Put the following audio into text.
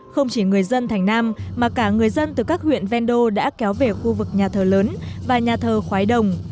không chỉ người dân thành nam mà cả người dân từ các huyện vendô đã kéo về khu vực nhà thờ lớn và nhà thờ khoái đồng